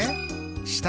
下？